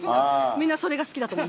みんなそれが好きだと思います。